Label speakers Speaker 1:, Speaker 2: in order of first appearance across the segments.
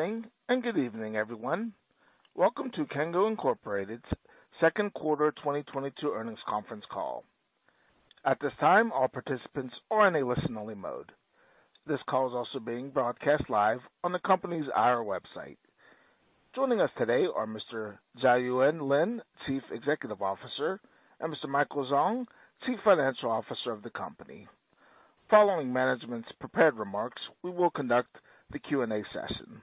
Speaker 1: Good morning and good evening, everyone. Welcome to Cango Inc.'s Second Quarter 2022 Earnings Conference Call. At this time, all participants are in a listen-only mode. This call is also being broadcast live on the company's IR website. Joining us today are Mr. Jiayuan Lin, Chief Executive Officer, and Mr. Michael Zhang, Chief Financial Officer of the company. Following management's prepared remarks, we will conduct the Q&A session.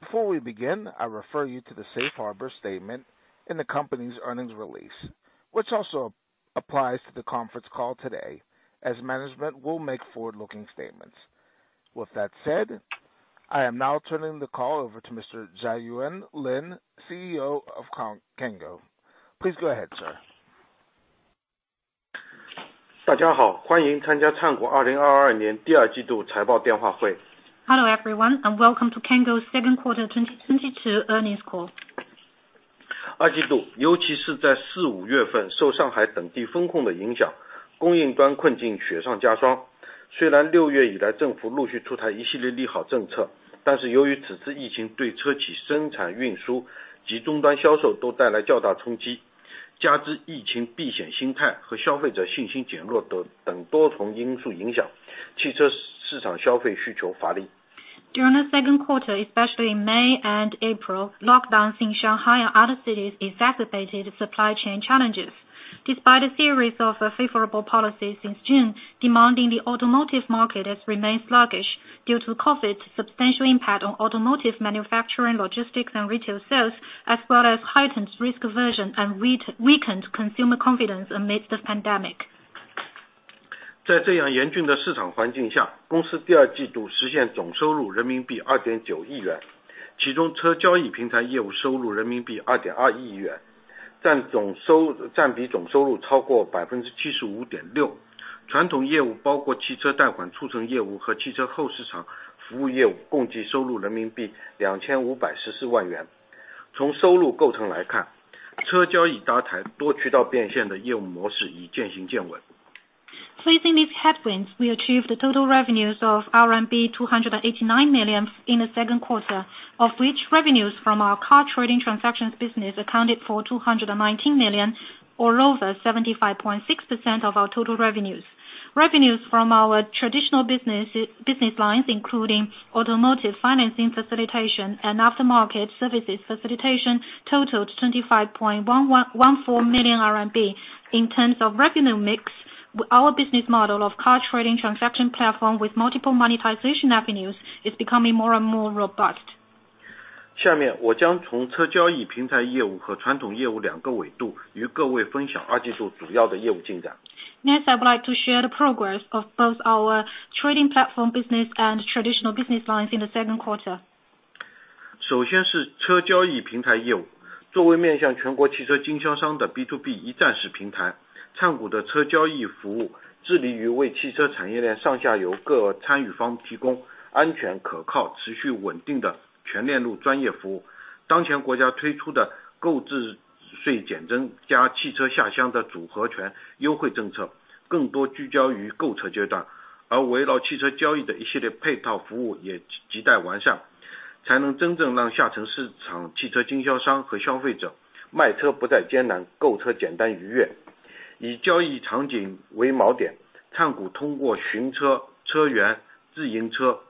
Speaker 1: Before we begin, I refer you to the Safe Harbor statement in the company's earnings release, which also applies to the conference call today as management will make forward-looking statements. With that said, I am now turning the call over to Mr. Jiayuan Lin, CEO of Cango. Please go ahead, sir.
Speaker 2: Hello, everyone, and welcome to Cango's Second Quarter 2022 Earnings Call. During the second quarter, especially in May and April, lockdowns in Shanghai and other cities exacerbated supply chain challenges. Despite a series of favorable policies since June, demand in the automotive market has remained sluggish due to COVID's substantial impact on automotive manufacturing, logistics and retail sales, as well as heightened risk aversion and weakened consumer confidence amidst the pandemic. Facing these headwinds, we achieved total revenues of RMB 289 million in the second quarter, of which revenues from our car trading transactions business accounted for 219 million, or over 75.6% of our total revenues. Revenues from our traditional business lines, including automotive financing facilitation and aftermarket services facilitation totaled 25.114 million RMB. In terms of revenue mix, our business model of car trading transaction platform with multiple monetization avenues is becoming more and more robust. Next, I would like to share the progress of both our trading platform business and traditional business lines in the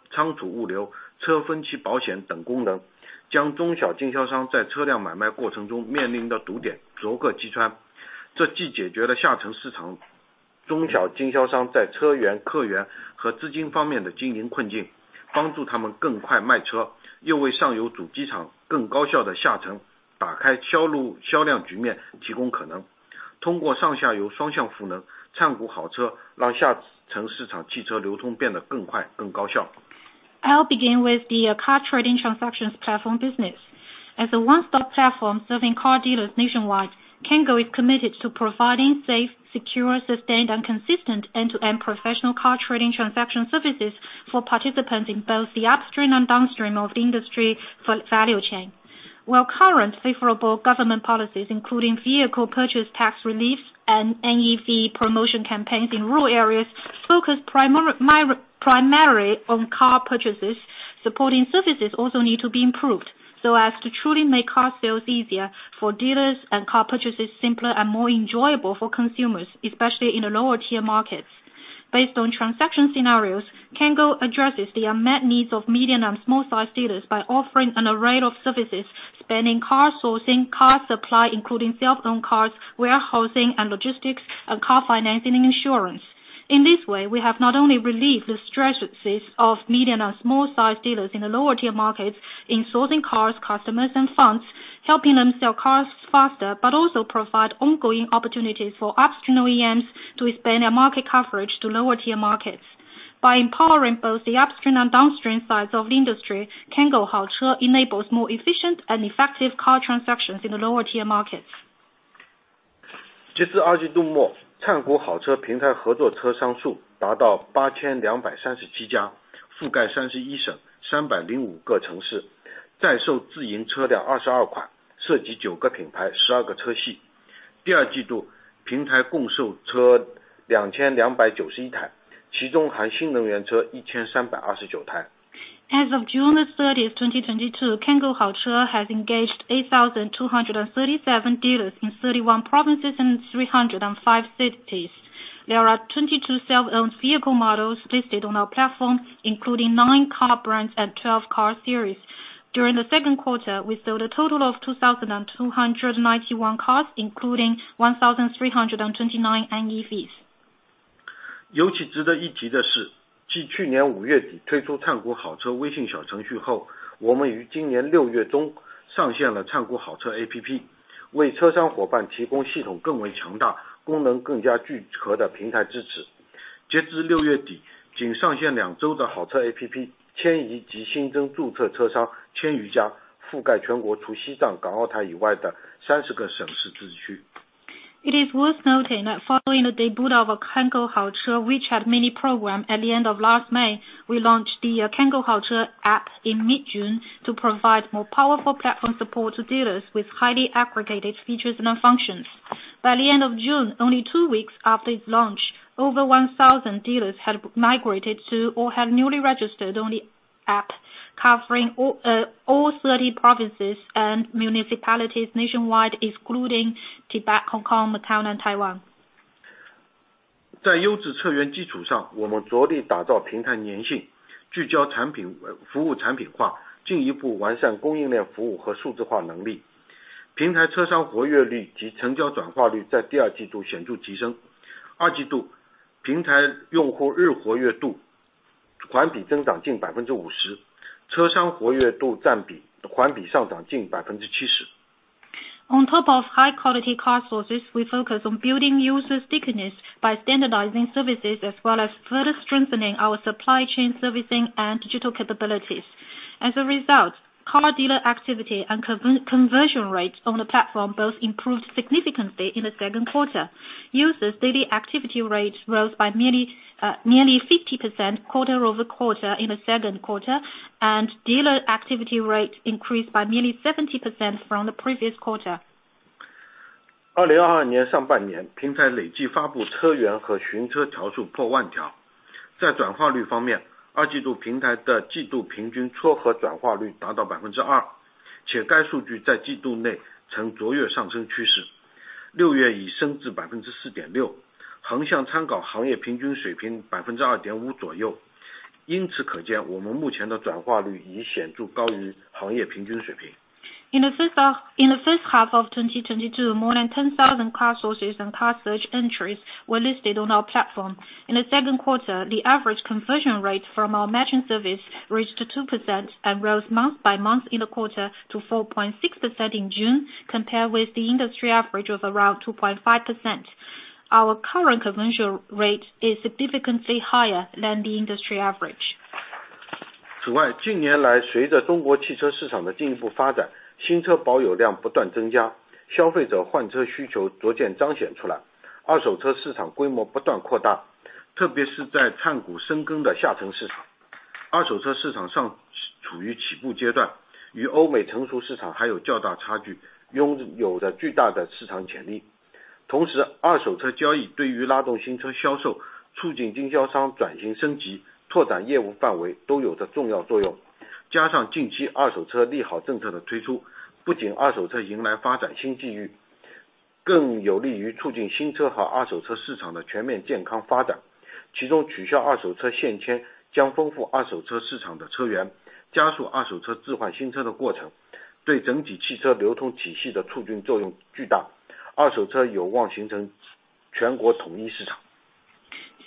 Speaker 2: second quarter. I'll begin with the car trading transactions platform business. As a one-stop platform serving car dealers nationwide, Cango is committed to providing safe, secure, sustained, and consistent end-to-end professional car trading transaction services for participants in both the upstream and downstream of the industry value chain. While current favorable government policies, including vehicle purchase tax relief and NEV promotion campaigns in rural areas focus primarily on car purchases, supporting services also need to be improved so as to truly make car sales easier for dealers and car purchases simpler and more enjoyable for consumers, especially in the lower tier markets. Based on transaction scenarios, Cango addresses the unmet needs of medium and small-sized dealers by offering an array of services, spanning car sourcing, car supply, including self-owned cars, warehousing and logistics, and car financing and insurance. In this way, we have not only relieved the stresses of medium and small-sized dealers in the lower-tier markets in sourcing cars, customers and funds, helping them sell cars faster, but also provide ongoing opportunities for upstream OEMs to expand their market coverage to lower-tier markets. By empowering both the upstream and downstream sides of the industry, Cango enables more efficient and effective car transactions in the lower-tier markets. As of June 30th, 2022, Cango 好车 has engaged 8,237 dealers in 31 provinces in 305 cities. There are 22 self-owned vehicle models listed on our platform, including nine car brands and 12 car series. During the second quarter, we sold a total of 2,291 cars, including 1,329 NEVs. It is worth noting that following the debut of Cango 好车 WeChat Mini Program at the end of last May, we launched the Cango 好车 app in mid-June to provide more powerful platform support to dealers with highly aggregated features and functions. By the end of June, only two weeks after its launch, over 1,000 dealers had migrated to or have newly registered on the app, covering all 30 provinces and municipalities nationwide, excluding Tibet, Hong Kong, Macao and Taiwan. 在优质车源基础上，我们着力打造平台粘性，聚焦产品，服务产品化，进一步完善供应链服务和数字化能力。平台车商活跃率及成交转化率在第二季度显著提升。二季度平台用户日活跃度环比增长近50%，车商活跃度占比环比上涨近70%。On top of high quality car sources, we focus on building user stickiness by standardizing services as well as further strengthening our supply chain servicing and digital capabilities. As a result, car dealer activity and conversion rates on the platform both improved significantly in the second quarter. Users daily activity rates rose by nearly 50% quarter-over-quarter in the second quarter, and dealer activity rate increased by nearly 70% from the previous quarter. 2022年上半年，平台累计发布车源和寻车条数破万条。在转化率方面，二季度平台的季度平均撮合转化率达到2%，且该数据在季度内呈卓越上升趋势，六月已升至4.6%。横向参考行业平均水平2.5%左右。因此可见，我们目前的转化率已显著高于行业平均水平。In the first half of 2022, more than 10,000 car sources and car search entries were listed on our platform. In the second quarter, the average conversion rate from our matching service reached 2% and rose month by month in the quarter to 4.6% in June, compared with the industry average of around 2.5%. Our current conversion rate is significantly higher than the industry average.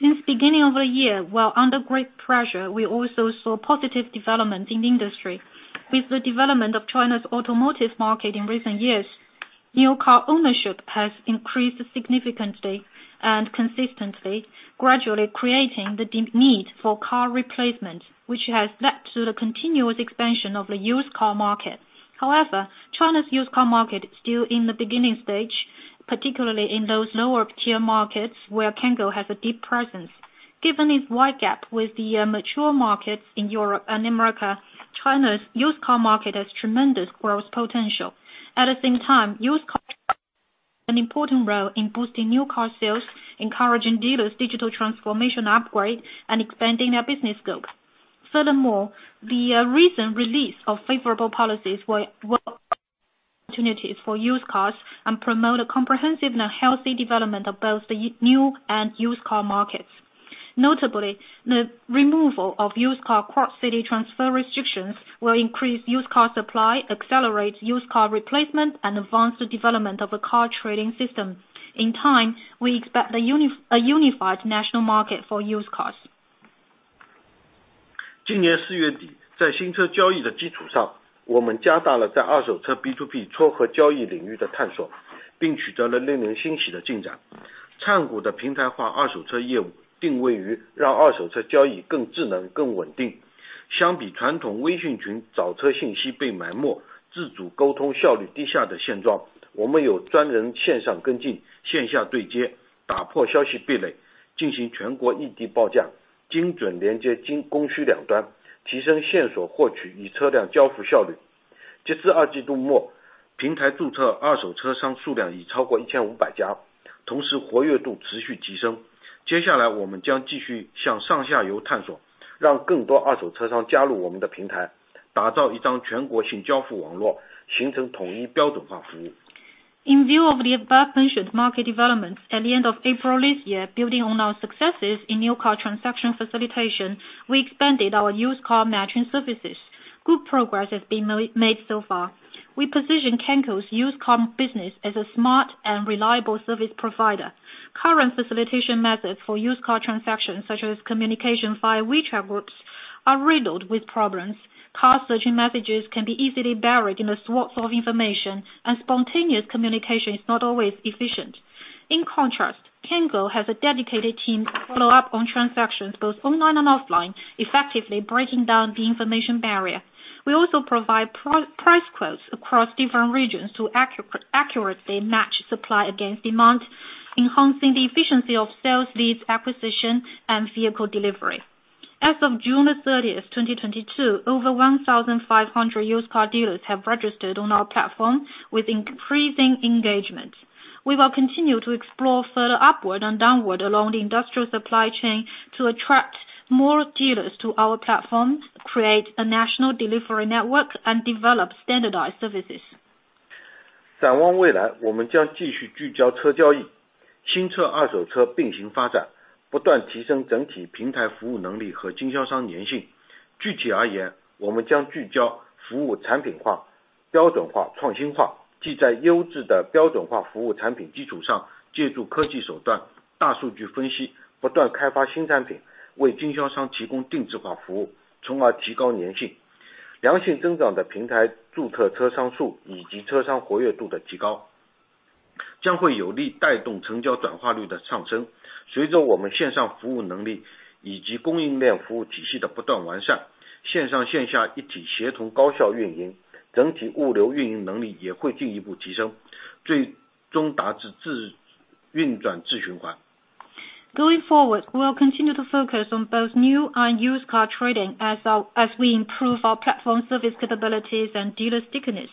Speaker 2: Since beginning of the year, while under great pressure, we also saw positive development in the industry. With the development of China's automotive market in recent years, new car ownership has increased significantly and consistently, gradually creating the deep need for car replacement, which has led to the continuous expansion of the used car market. However, China's used car market is still in the beginning stage, particularly in those lower tier markets where Cango has a deep presence. Given its wide gap with the mature markets in Europe and America, China's used car market has tremendous growth potential. At the same time, used cars play an important role in boosting new car sales, encouraging dealers digital transformation upgrade and expanding their business scope. Furthermore, the recent release of favorable policies will create opportunities for used cars and promote a comprehensive and healthy development of both the new and used car markets. Notably, the removal of used car cross-city transfer restrictions will increase used car supply, accelerate used car replacement and advance the development of a car trading system. In time, we expect a unified national market for used cars. In view of the above mentioned market developments at the end of April this year, building on our successes in new car transaction facilitation, we expanded our used car matching services. Good progress has been made so far. We position Cango's used car business as a smart and reliable service provider. Current facilitation methods for used car transactions such as communication via WeChat groups are riddled with problems. Car searching messages can be easily buried in the swaths of information, and spontaneous communication is not always efficient. In contrast, Cango has a dedicated team to follow up on transactions both online and offline, effectively breaking down the information barrier. We also provide price quotes across different regions to accurately match supply against demand, enhancing the efficiency of sales leads acquisition and vehicle delivery. As of June 30, 2022, over 1,500 used car dealers have registered on our platform with increasing engagement. We will continue to explore further upward and downward along the industrial supply chain to attract more dealers to our platform, create a national delivery network and develop standardized services. Going forward, we will continue to focus on both new and used car trading as we improve our platform service capabilities and dealer stickiness.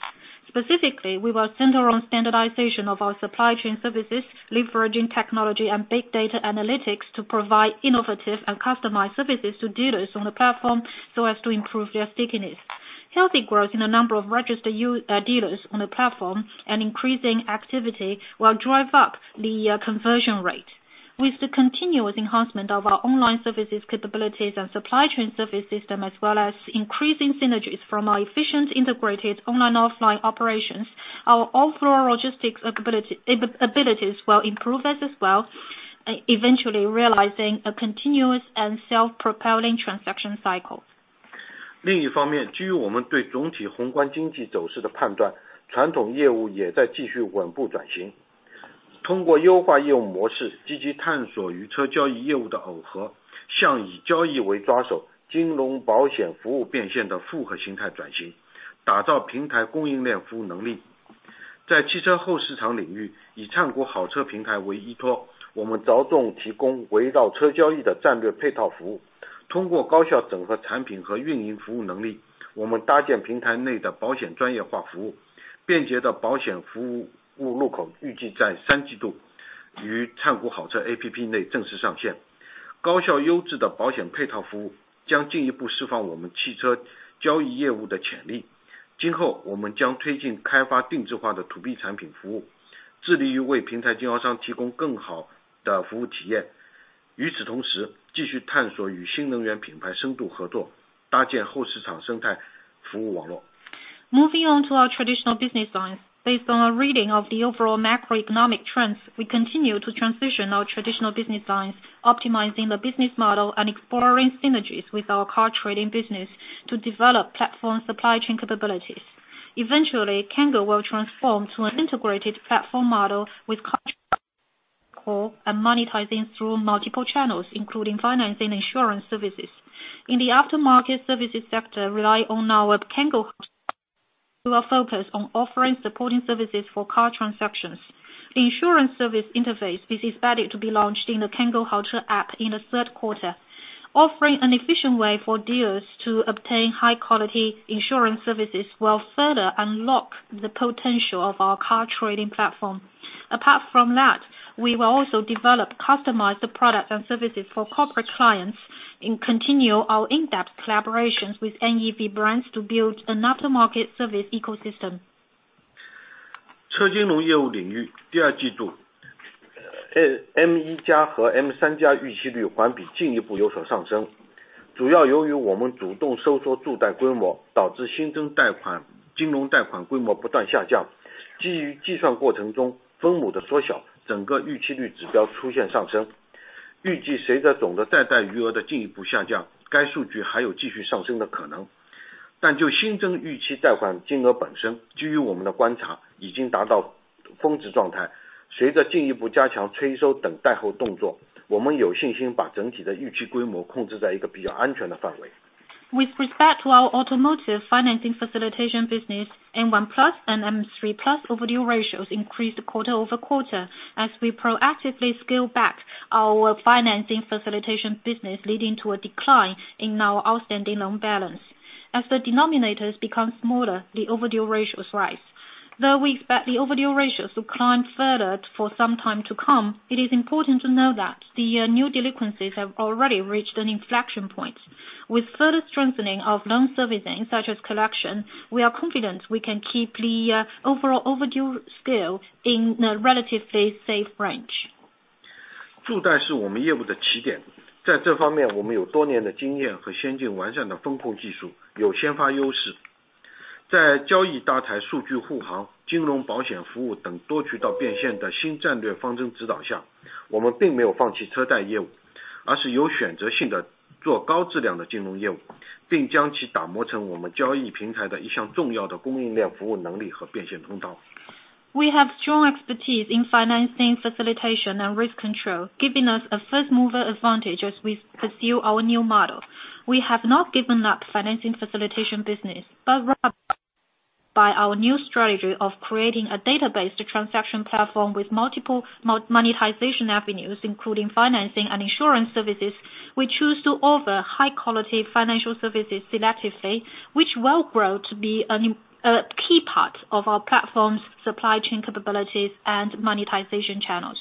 Speaker 2: Specifically, we will center on standardization of our supply chain services, leveraging technology and big data analytics to provide innovative and customized services to dealers on the platform so as to improve their stickiness. Healthy growth in the number of registered dealers on the platform and increasing activity will drive up the conversion rate. With the continuous enhancement of our online services capabilities and supply chain service system, as well as increasing synergies from our efficient integrated online offline operations, our overall logistics capabilities will improve as well, eventually realizing a continuous and self-propelling transaction cycle. B产品服务，致力于为平台经销商提供更好的服务体验。与此同时，继续探索与新能源品牌深度合作，搭建后市场生态服务网络。Moving on to our traditional business lines. Based on our reading of the overall macroeconomic trends, we continue to transition our traditional business lines, optimizing the business model and exploring synergies with our car trading business to develop platform supply chain capabilities. Eventually, Cango will transform to an integrated platform model with and monetizing through multiple channels, including financing insurance services. In the aftermarket services sector, rely on our Cango will focus on offering supporting services for car transactions. The insurance service interface is expected to be launched in the Cango 好车 app in the third quarter. Offering an efficient way for dealers to obtain high quality insurance services will further unlock the potential of our car trading platform. Apart from that, we will also develop customized products and services for corporate clients and continue our in-depth collaborations with NEV brands to build an aftermarket service ecosystem. 车金融业务领域，第二季度，M一加和M三加逾期率环比进一步有所上升，主要由于我们主动收缩助贷规模，导致新增贷款、金融贷款规模不断下降。基于计算过程中分母的缩小，整个逾期率指标出现上升。预计随着总的贷款余额的进一步下降，该数据还有继续上升的可能。但就新增逾期贷款金额本身，基于我们的观察，已经达到峰值状态。随着进一步加强催收等贷后动作，我们有信心把整体的逾期规模控制在一个比较安全的范围。With respect to our automotive financing facilitation business, M1+ and M3+ overdue ratios increased quarter-over-quarter as we proactively scale back our financing facilitation business, leading to a decline in our outstanding loan balance. As the denominators become smaller, the overdue ratios rise. Though we expect the overdue ratios to climb further for some time to come, it is important to know that the new delinquencies have already reached an inflection point. With further strengthening of loan servicing, such as collection, we are confident we can keep the overall overdue scale in a relatively safe range. We have strong expertise in financing facilitation and risk control, giving us a first-mover advantage as we pursue our new model. We have not given up financing facilitation business, but rather by our new strategy of creating a database to transaction platform with multiple monetization avenues, including financing and insurance services, we choose to offer high-quality financial services selectively, which will grow to be a key part of our platform's supply chain capabilities and monetization channels.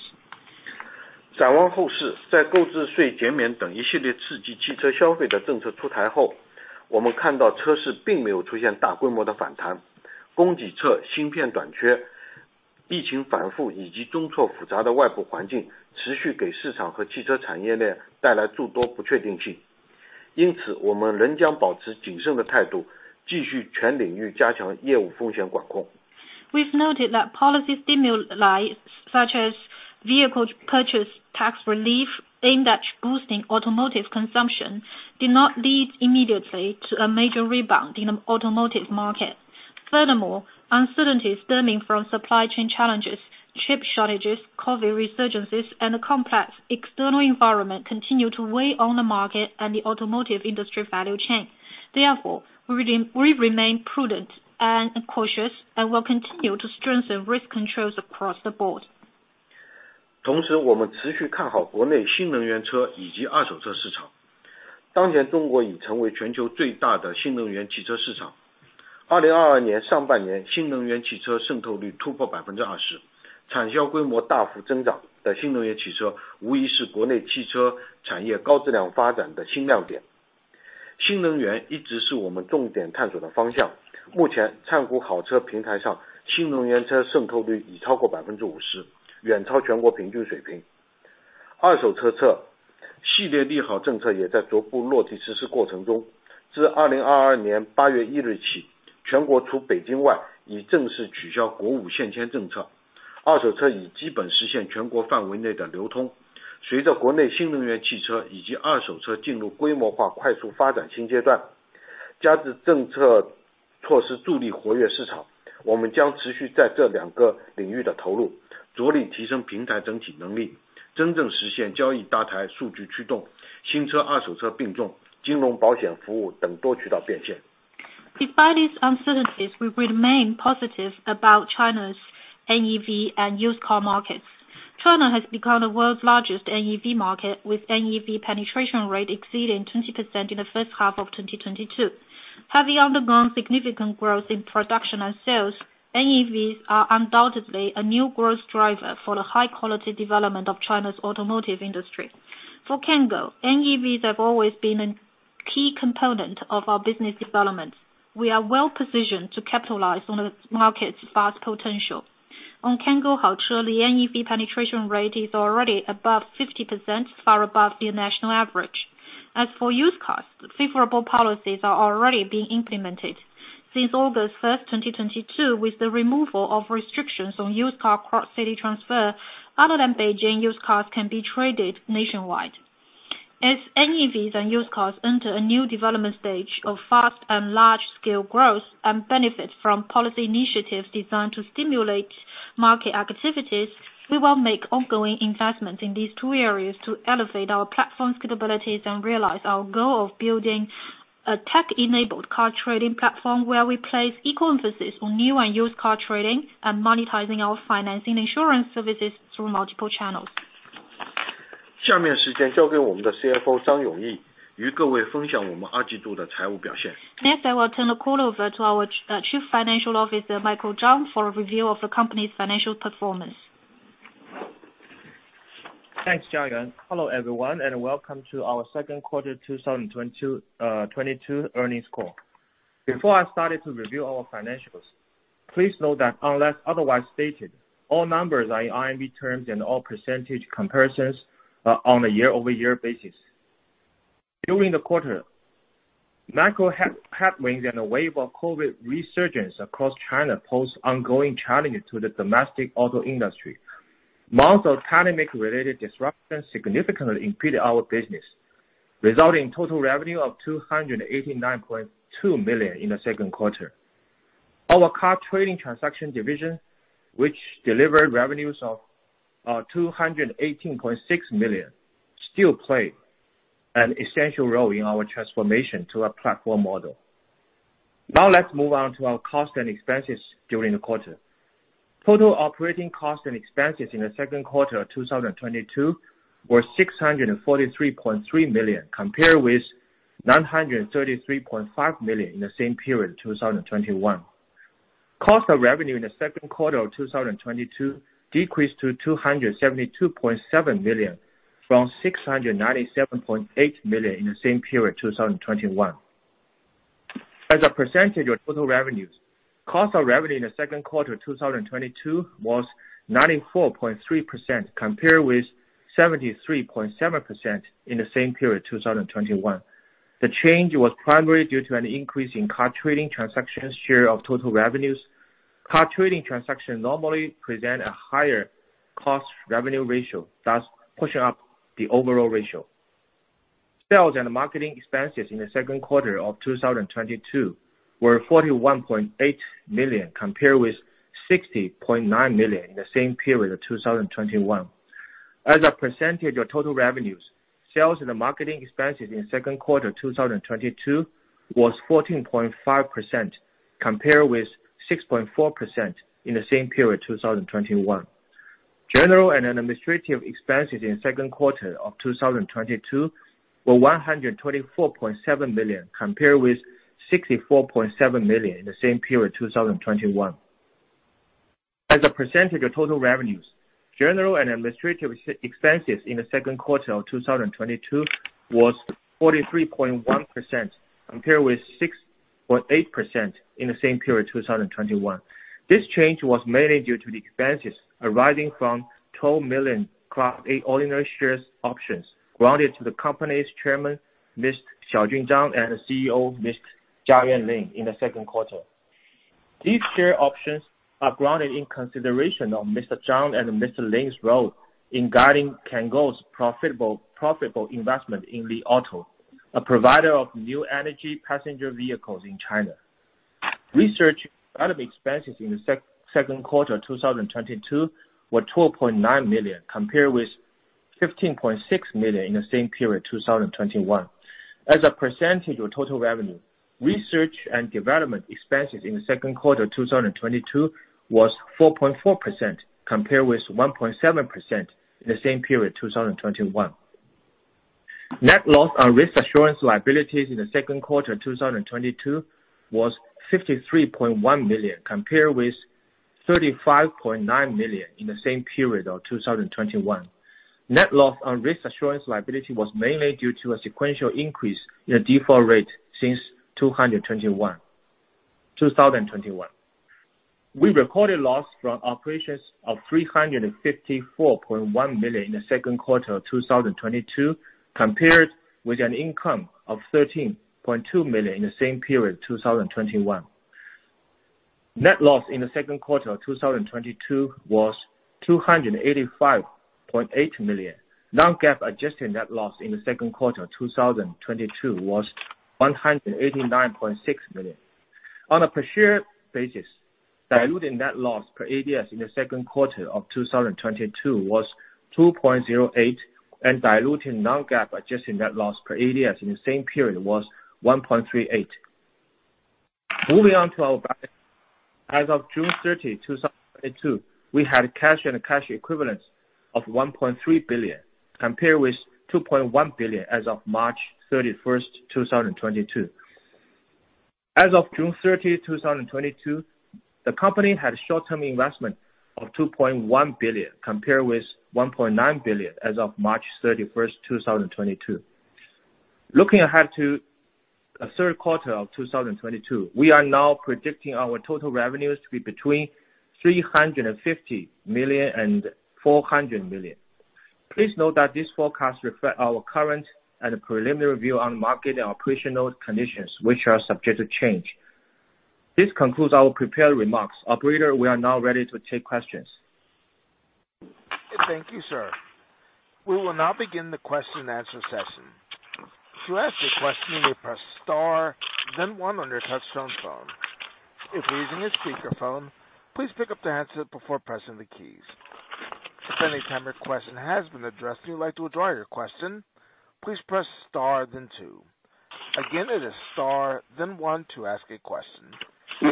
Speaker 2: We've noted that policy stimuli, such as vehicle purchase tax relief aimed at boosting automotive consumption, did not lead immediately to a major rebound in the automotive market. Furthermore, uncertainties stemming from supply chain challenges, chip shortages, COVID resurgences, and a complex external environment continue to weigh on the market and the automotive industry value chain. Therefore, we remain prudent and cautious, and will continue to strengthen risk controls across the board. Despite these uncertainties, we remain positive about China's NEV and used car markets. China has become the world's largest NEV market, with NEV penetration rate exceeding 20% in the first half of 2022. Having undergone significant growth in production and sales, NEVs are undoubtedly a new growth driver for the high-quality development of China's automotive industry. For Cango, NEVs have always been a key component of our business development. We are well-positioned to capitalize on the market's vast potential. On Cango Haoche, the NEV penetration rate is already above 50%, far above the national average. As for used cars, favorable policies are already being implemented. Since August 1, 2022, with the removal of restrictions on used car cross-city transfer, other than Beijing, used cars can be traded nationwide. As NEVs and used cars enter a new development stage of fast and large-scale growth and benefit from policy initiatives designed to stimulate market activities, we will make ongoing investments in these two areas to elevate our platform's capabilities and realize our goal of building a tech-enabled car trading platform where we place equal emphasis on new and used car trading and monetizing our financing insurance services through multiple channels. Next, I will turn the call over to our Chief Financial Officer, Michael Zhang, for a review of the company's financial performance.
Speaker 3: Thanks, Jiayuan. Hello, everyone, and welcome to our Second quarter 2022 Earnings Call. Before I started to review our financials, please note that unless otherwise stated, all numbers are in RMB terms and all percentage comparisons are on a year-over-year basis. During the quarter, macro headwinds and a wave of COVID resurgence across China posed ongoing challenges to the domestic auto industry. Months of pandemic-related disruptions significantly impeded our business, resulting in total revenue of 289.2 million in the second quarter. Our car trading transaction division, which delivered revenues of 218.6 million, still played an essential role in our transformation to a platform model. Now let's move on to our cost and expenses during the quarter. Total operating costs and expenses in the second quarter of 2022 were 643.3 million, compared with 933.5 million in the same period, 2021. Cost of revenue in the second quarter of 2022 decreased to 272.7 million from 697.8 million in the same period, 2021. As a percentage of total revenues, cost of revenue in the second quarter of 2022 was 94.3% compared with 73.7% in the same period, 2021. The change was primarily due to an increase in car trading transactions share of total revenues. Car trading transactions normally present a higher cost revenue ratio, thus pushing up the overall ratio. Sales and marketing expenses in the second quarter of 2022 were 41.8 million, compared with 60.9 million in the same period of 2021. As a percentage of total revenues, sales and marketing expenses in second quarter 2022 was 14.5% compared with 6.4% in the same period, 2021. General and administrative expenses in second quarter of 2022 were 124.7 million, compared with 64.7 million in the same period, 2021. As a percentage of total revenues, general and administrative expenses in the second quarter of 2022 was 43.1% compared with 6.8% in the same period, 2021. This change was mainly due to the expenses arising from 12.0 million Class A ordinary shares options granted to the company's chairman, Mr. Xiaojun Zhang, and the CEO, Mr. Jiayuan Lin, in the second quarter. These share options are granted in consideration of Mr. Zhang and Mr. Lin's role in guiding Cango's profitable investment in Li Auto, a provider of new energy passenger vehicles in China. Research and development expenses in the second quarter of 2022 were 12.9 million, compared with 15.6 million in the same period, 2021. As a percentage of total revenue, research and development expenses in the second quarter of 2022 was 4.4%, compared with 1.7% in the same period, 2021. Net loss on risk assurance liabilities in the second quarter of 2022 was 53.1 million, compared with 35.9 million in the same period of 2021. Net loss on risk assurance liability was mainly due to a sequential increase in the default rate since 2021. We recorded loss from operations of 354.1 million in the second quarter of 2022, compared with an income of 13.2 million in the same period, 2021. Net loss in the second quarter of 2022 was 285.8 million. Non-GAAP Adjusted Net Loss in the second quarter of 2022 was 189.6 million. On a per share basis, diluted net loss per ADS in the second quarter of 2022 was 2.08, and diluted non-GAAP Adjusted Net Loss per ADS in the same period was 1.38. Moving on to our balance sheet. As of June 30, 2022, we had cash and cash equivalents of 1.3 billion, compared with 2.1 billion as of March 31, 2022. As of June 30, 2022, the company had short-term investment of 2.1 billion, compared with 1.9 billion as of March 31, 2022. Looking ahead to the third quarter of 2022, we are now predicting our total revenues to be between 350 million and 400 million. Please note that these forecasts reflect our current and preliminary view on market and operational conditions, which are subject to change. This concludes our prepared remarks. Operator, we are now ready to take questions.
Speaker 1: Thank you, sir. We will now begin the question and answer session. To ask a question, you may press star then one on your touchtone phone. If you're using a speakerphone, please pick up the handset before pressing the keys. If at any time your question has been addressed and you'd like to withdraw your question, please press star then two. Again, it is star then one to ask a question.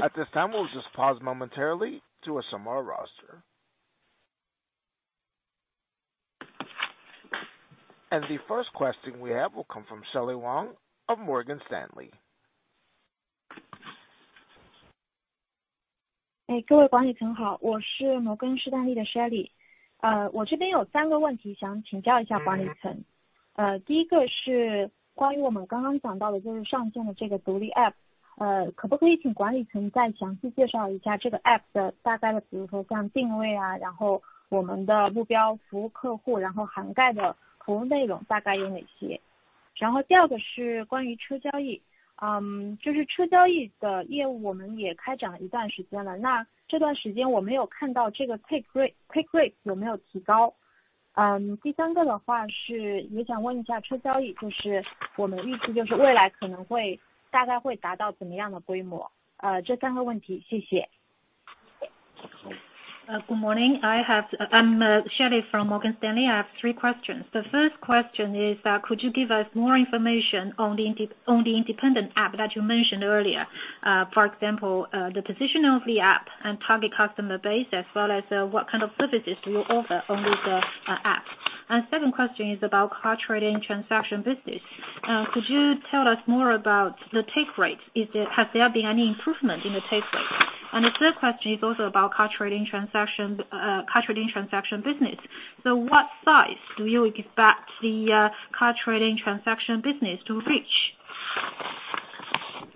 Speaker 1: At this time, we'll just pause momentarily to assemble our roster. The first question we have will come from Shelley Wang of Morgan Stanley.
Speaker 4: 第三个的话，也想问一下车交易，就是我们预期未来可能大概会达到怎么样的规模？这三个问题。谢谢。Good morning, I'm Shelley from Morgan Stanley. I have three questions. The first question is could you give us more information on the independent app that you mentioned earlier? For example, the position of the app and target customer base as well as what kind of services will offer on this app? Second question is about car trading transaction business. Could you tell us more about the take rate? Has there been any improvement in the take rate? The third question is also about car trading transaction business. What size do you expect the car trading transaction business to reach?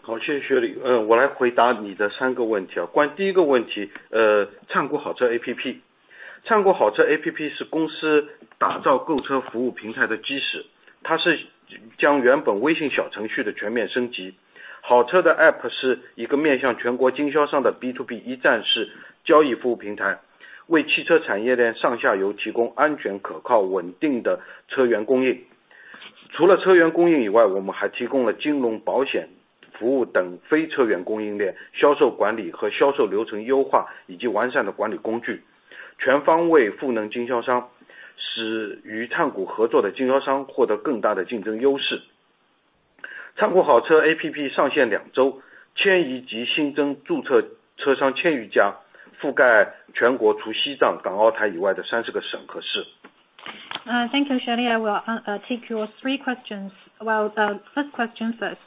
Speaker 2: 好，谢谢Shelley。我来回答你的三个问题。关于第一个问题，灿谷好车APP。灿谷好车APP是公司打造购车服务平台的基石，它是将原本微信小程序的全面升级。好车的APP是一个面向全国经销商的B2B一站式交易服务平台，为汽车产业链上下游提供安全、可靠、稳定的车源供应。除了车源供应以外，我们还提供了金融保险服务等非车源供应链、销售管理和销售流程优化以及完善的管理工具，全方位赋能经销商，使与灿谷合作的经销商获得更大的竞争优势。灿谷好车APP上线两周，迁移及新增注册车商千余家，覆盖全国除西藏、港、澳、台以外的三十个省和市。Thank you, Shelley. I will take your three questions. Well, first question first.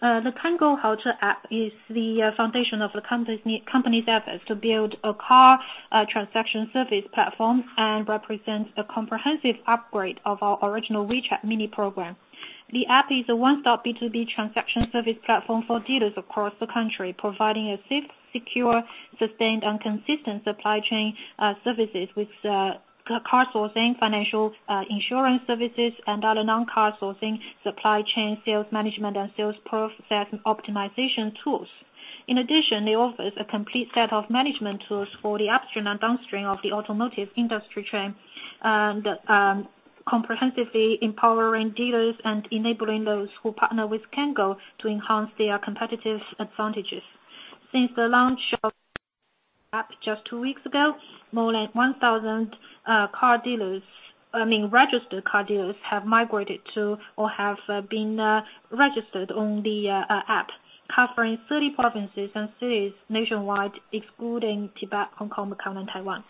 Speaker 2: The 灿谷好车 app is the foundation of the company's efforts to build a car transaction service platform and represents a comprehensive upgrade of our original WeChat Mini Program. The app is a one-stop B2B transaction service platform for dealers across the country, providing a safe, secure, sustained and consistent supply chain services with car sourcing, financial insurance services and other non-car sourcing, supply chain sales management and sales process optimization tools. In addition, they offers a complete set of management tools for the upstream and downstream of the automotive industry chain, and comprehensively empowering dealers and enabling those who partner with Cango to enhance their competitive advantages. Since the launch of the app just two weeks ago, more like 1,000 car dealers, I mean registered car dealers have migrated to or have been registered on the app, covering 30 provinces and cities nationwide, excluding Tibet, Hong Kong, Macau and Taiwan.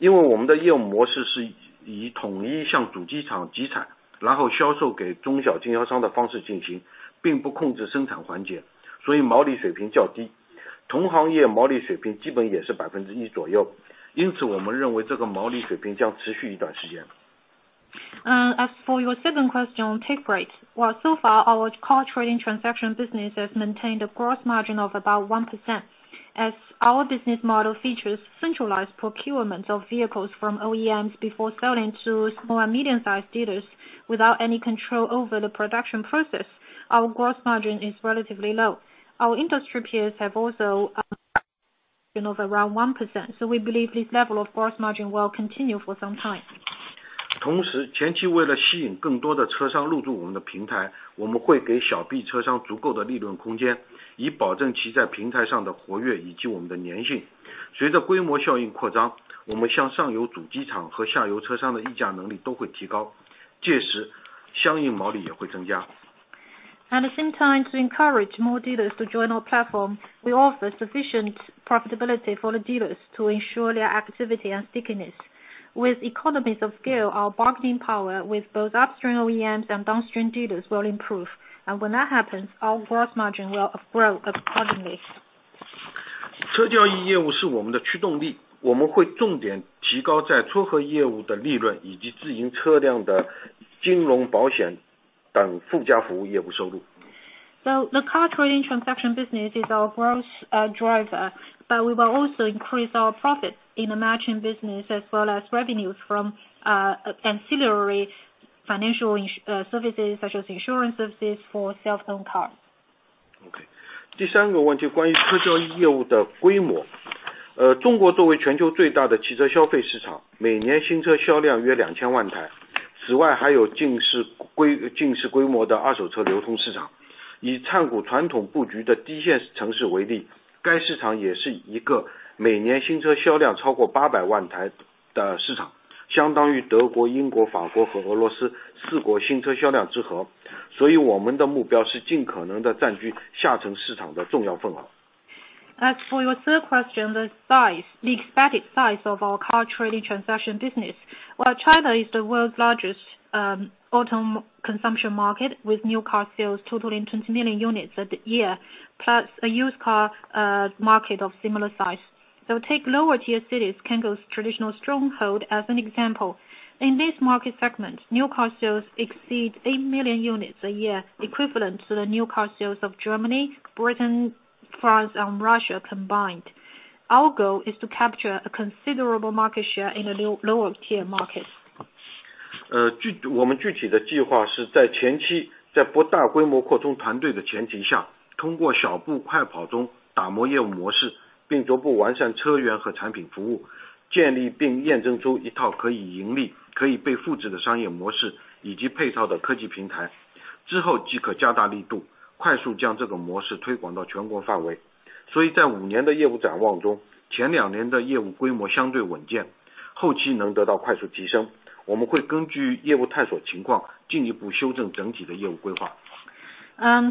Speaker 2: As a result of our consistent efforts, we have seen continuous improvement in car dealer activity and conversion rates on the platform. Conversion rates from our matching services have reached 4.5% in June, well above the industry average of 2.5%. 接下来在这个APP上，除了我们提供在优质车源的基础上，我们将继续打造平台粘性，聚焦把服务产品化，进一步完善供应链服务和数字化能力。Going forward, in addition to ensuring high quality car supply, we will further increase user engagement and stickiness, focus on standardizing our services and strengthen our supply chain service and digital capabilities. 关于第二个问题，就是车交易的take rate。目前我们车交易业务毛利水平差不多维持在1%，因为我们的业务模式是以统一向主机厂集采，然后销售给中小经销商的方式进行，并不控制生产环节，所以毛利水平较低，同行业毛利水平基本也是1%左右。因此我们认为这个毛利水平将持续一段时间。As for your second question on take rate. Well, so far our car trading transaction business has maintained a gross margin of about 1%. As our business model features centralized procurement of vehicles from OEMs before selling to small and medium sized dealers without any control over the production process, our gross margin is relatively low. Our industry peers have also you know around 1%, so we believe this level of gross margin will continue for some time. 同时，前期为了吸引更多的车商入驻我们的平台，我们会给小B车商足够的利润空间，以保证其在平台上的活跃以及我们的粘性。随着规模效应扩张，我们向上游主机厂和下游车商的议价能力都会提高，届时相应毛利也会增加。At the same time to encourage more dealers to join our platform, we offer sufficient profitability for the dealers to ensure their activity and stickiness. With economies of scale, our bargaining power with both upstream OEMs and downstream dealers will improve. When that happens, our gross margin will grow accordingly. 车交易业务是我们的驱动力，我们会重点提高在撮合业务的利润，以及自营车辆的金融保险等附加服务业务收入。The car trading transaction business is our growth driver, but we will also increase our profits in the matching business as well as revenues from ancillary financial services such as insurance services for self-owned cars. 第三个问题关于车交易业务的规模。中国作为全球最大的汽车消费市场，每年新车销量约两千万台。此外还有近十规模的二手车流通市场。以灿谷传统布局的一线城市为例，该市场也是一个每年新车销量超过八百万台的市场，相当于德国、英国、法国和俄罗斯四国新车销量之和。所以我们的目标是尽可能地占据下沉市场的重要份额。As for your third question, the size, the expected size of our car trading transaction business. Well, China is the world's largest auto consumption market with new car sales totaling 20 million units a year plus a used car market of similar size. Take lower-tier cities Cango's traditional stronghold as an example. In this market segment, new car sales exceeds 8 million units a year, equivalent to the new car sales of Germany, Britain, France and Russia combined. Our goal is to capture a considerable market share in the lower-tier markets.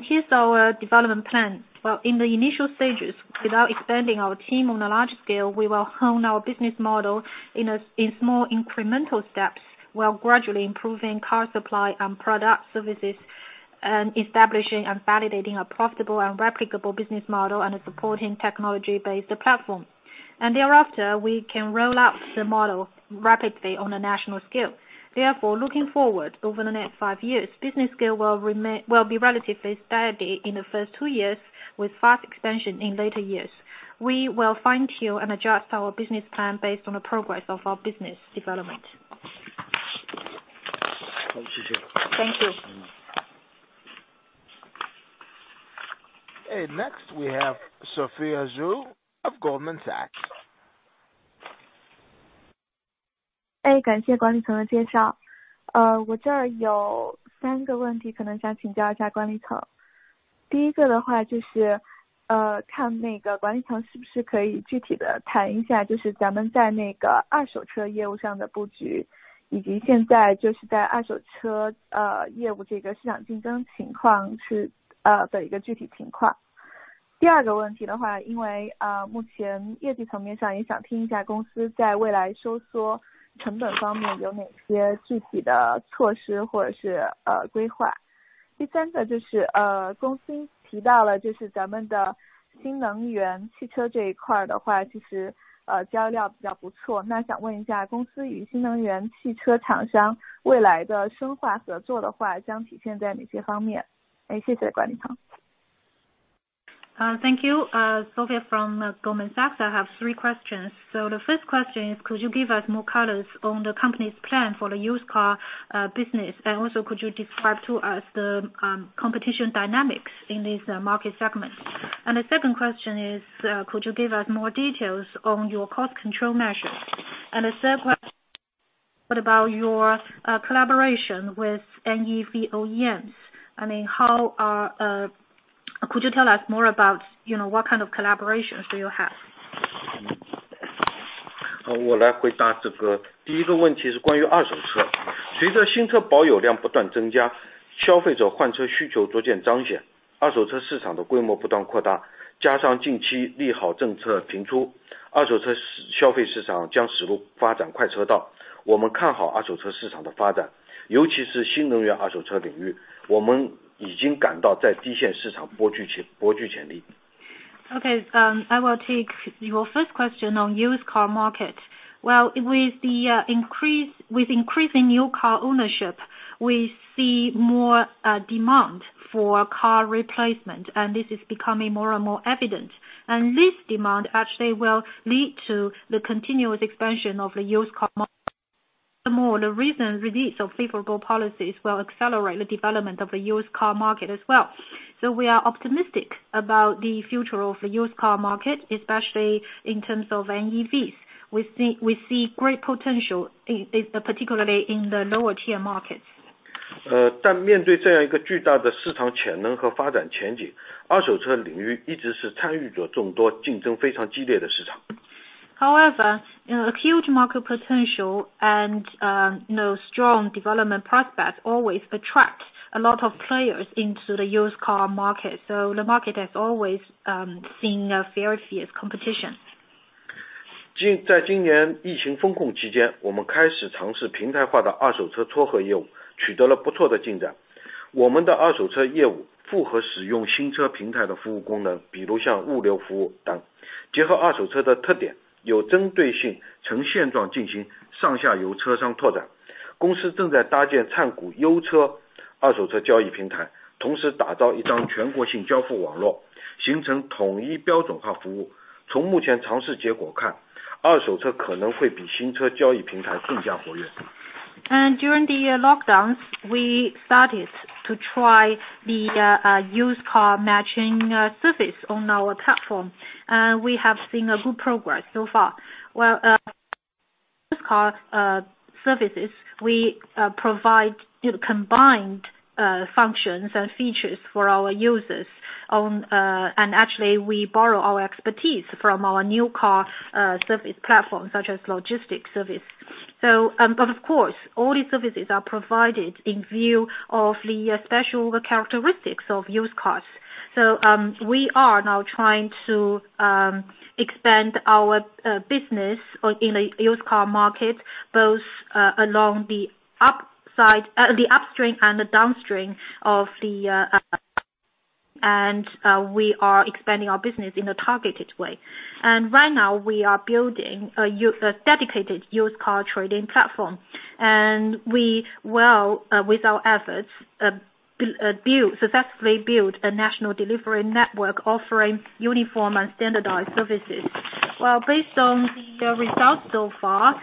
Speaker 2: Here's our development plan. Well, in the initial stages, without expanding our team on a large scale, we will hone our business model in small incremental steps while gradually improving car supply and product services, and establishing and validating a profitable and replicable business model and a supporting technology based platform. Thereafter, we can roll out the model rapidly on a national scale. Therefore, looking forward over the next five years, business scale will be relatively steady in the first two years, with fast expansion in later years. We will fine tune and adjust our business plan based on the progress of our business development. 好，谢谢。Thank you.
Speaker 1: Next we have Sophia Zhou of Goldman Sachs.
Speaker 5: Thank you, Sophia Zhou from Goldman Sachs. I have three questions. The first question is could you give us more colors on the company's plan for the used car business? Also could you describe to us the competition dynamics in this market segment? The second question is could you give us more details on your cost control measures? The third one what about your collaboration with NEV OEMs? I mean, how are could you tell us more about, you know, what kind of collaborations do you have?
Speaker 2: 好，我来回答这个。第一个问题是关于二手车。随着新车保有量不断增加，消费者换车需求逐渐彰显，二手车市场的规模不断扩大，加上近期利好政策频出，二手车市场消费市场将驶入发展快车道。我们看好二手车市场的发展，尤其是新能源二手车领域，我们已经感到在低线市场颇具潜力。Okay, I will take your first question on used car market. Well, with the increase, with increasing new car ownership, we see more demand for car replacement, and this is becoming more and more evident. This demand actually will lead to the continuous expansion of the used car market. Moreover, the recent release of favorable policies will accelerate the development of the used car market as well. We are optimistic about the future of the used car market, especially in terms of NEVs. We see great potential particularly in the lower tier markets. 面对这样一个巨大的市场潜能和发展前景，二手车领域一直是参与者众多、竞争非常激烈的市场。However, you know, a huge market potential and, you know, strong development prospects always attract a lot of players into the used car market. The market has always seen a very fierce competition. During the lockdowns, we started to try the used car matching service on our platform. We have seen a good progress so far. Well, used car services, we provide combined functions and features for our users on. Actually we borrow our expertise from our new car service platform, such as logistics service. But of course, all these services are provided in view of the special characteristics of used cars. We are now trying to expand our business in the used car market, both along the upstream and the downstream, and we are expanding our business in a targeted way. Right now we are building a dedicated used car trading platform. We will, with our efforts, successfully build a national delivery network offering uniform and standardized services. Well, based on the results so far,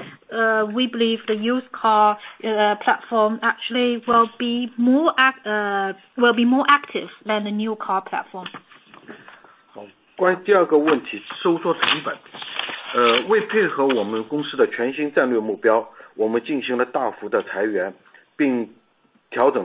Speaker 2: we believe the used car platform actually will be more active than the new car platform. The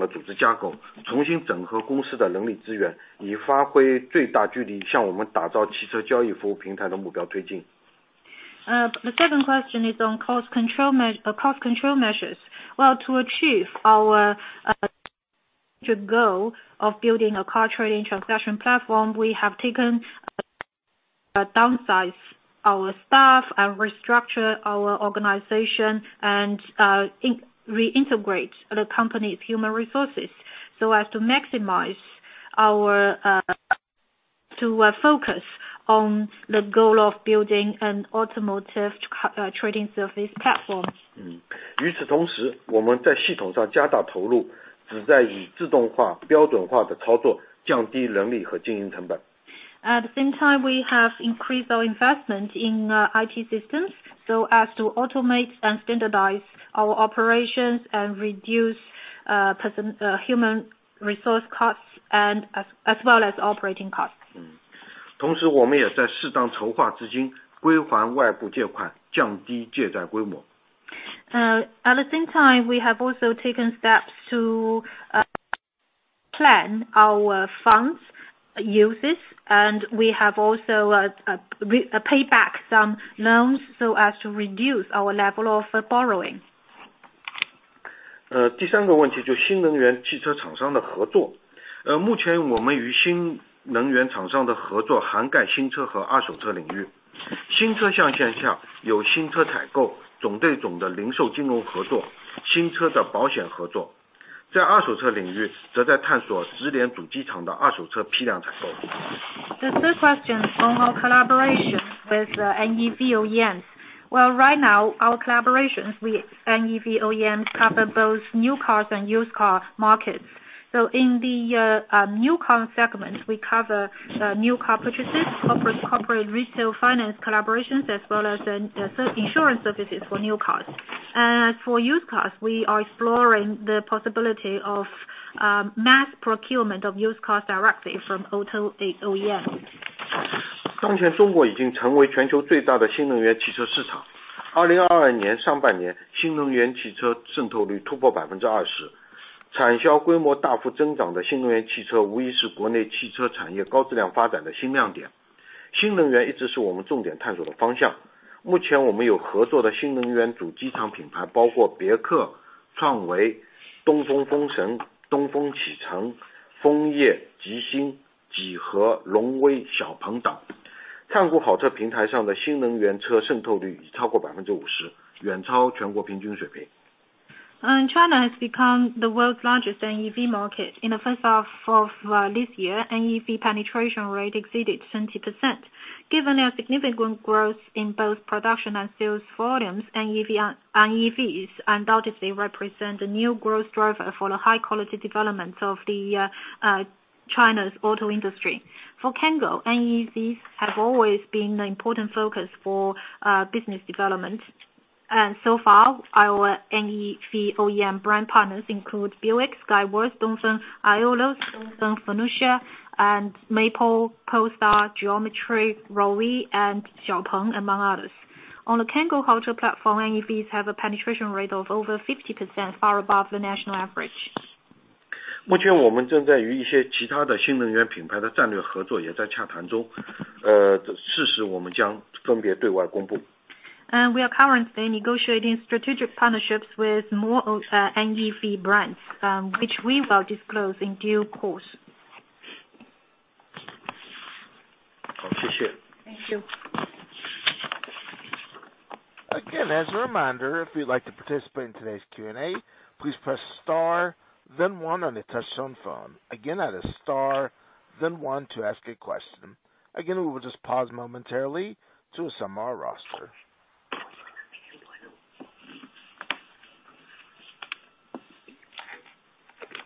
Speaker 2: second question is on cost control measures. Well, to achieve our goal of building a car trading transaction platform, we have downsized our staff and restructured our organization and reintegrated the company's human resources so as to maximize our focus on the goal of building an automotive trading service platform. At the same time, we have increased our investment in IT systems so as to automate and standardize our operations and reduce human resource costs as well as operating costs. At the same time, we have also taken steps to plan our funds uses, and we have also repaid some loans so as to reduce our level of borrowing. The third question on our collaboration with NEV OEMs. Well, right now, our collaborations with NEV OEMs cover both new cars and used car markets. So in the new car segment, we cover new car purchases, corporate retail finance collaborations, as well as insurance services for new cars. For used cars, we are exploring the possibility of mass procurement of used cars directly from auto OEMs. China has become the world's largest NEV market. In the first half of this year, NEV penetration rate exceeded 70%. Given a significant growth in both production and sales volumes, NEVs undoubtedly represent a new growth driver for the high quality development of China's auto industry. For Cango, NEVs have always been an important focus for business development. So far, our NEV OEM brand partners include Buick, Skyworth Auto, Dongfeng Aeolus, Dongfeng Fengon, and Maple, Polestar, Geometry, Roewe, and XPeng, among others. On the Cango auto platform, NEVs have a penetration rate of over 50%, far above the national average. We are currently negotiating strategic partnerships with more NEV brands, which we will disclose in due course. Thank you.
Speaker 1: Again, as a reminder, if you'd like to participate in today's Q&A, please press star then one on a touch-tone phone. Again, that is star then one to ask a question. Again, we will just pause momentarily to assemble our roster.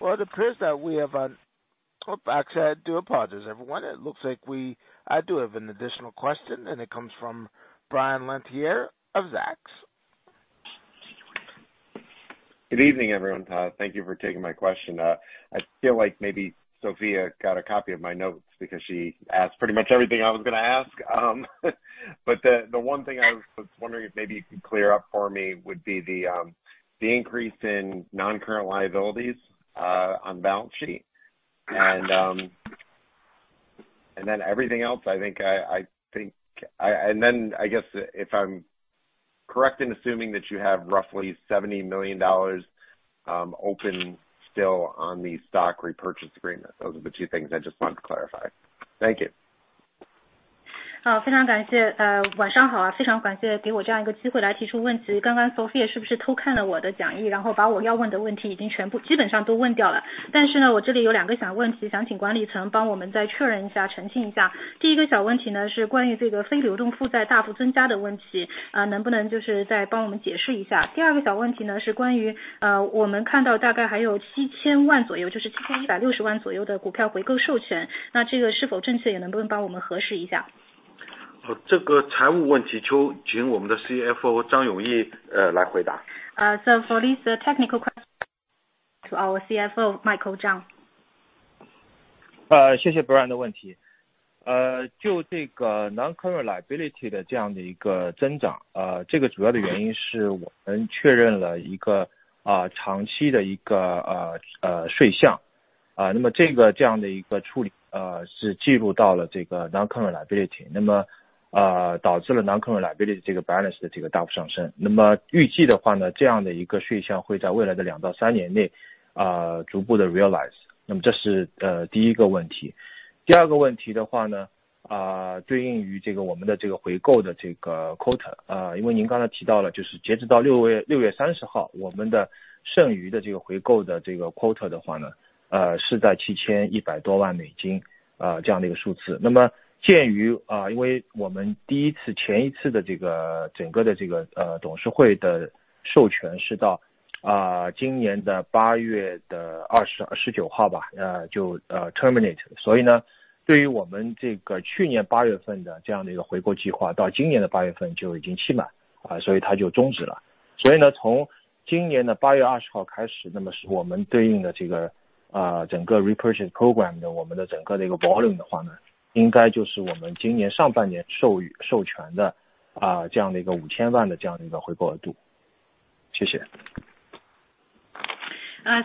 Speaker 1: Well, it appears that we have. I do apologize, everyone. It looks like I do have an additional question, and it comes from Brian Lantier of Zacks.
Speaker 6: Good evening, everyone. Thank you for taking my question. I feel like maybe Sophia got a copy of my notes because she asked pretty much everything I was gonna ask. The one thing I was wondering if maybe you could clear up for me would be the increase in non-current liabilities on balance sheet. Everything else I think, and then I guess if I'm correct in assuming that you have roughly $70 million open still on the stock repurchase agreement. Those are the two things I just wanted to clarify. Thank you.
Speaker 2: For these technical questions to our CFO, Michael Zhang.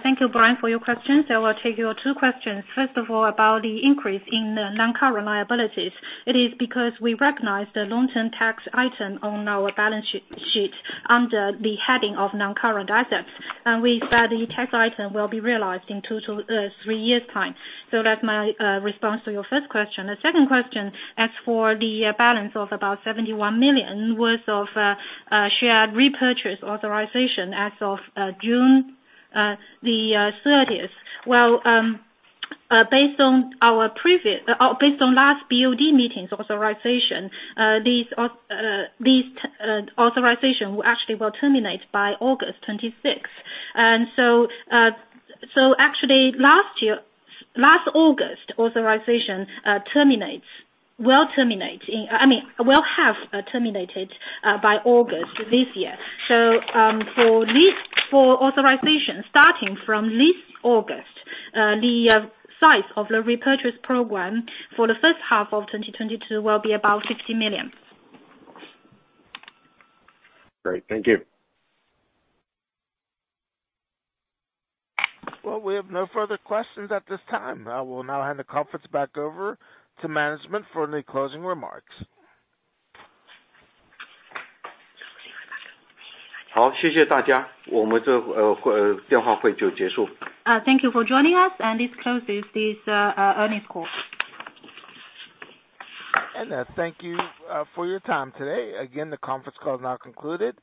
Speaker 3: Thank you, Brian, for your questions. I will take your two questions. First of all, about the increase in the non-current liabilities. It is because we recognize the long-term tax item on our balance sheet under the heading of non-current assets. We said the tax item will be realized in two to three years' time. That's my response to your first question. The second question, as for the balance of about $71 million worth of share repurchase authorization as of June 30. Based on last BOD meeting's authorization, these authorization will actually terminate by August 26. Actually last August authorization will have terminated by August this year. For authorization starting from this August, the size of the repurchase program for the first half of 2022 will be about 60 million.
Speaker 6: Great. Thank you.
Speaker 1: Well, we have no further questions at this time. I will now hand the conference back over to management for any closing remarks.
Speaker 2: Thank you for joining us and this closes this earnings call.
Speaker 1: Thank you for your time today. Again, the conference call is now concluded.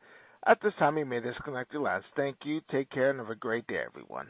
Speaker 1: At this time, you may disconnect your lines. Thank you. Take care and have a great day everyone.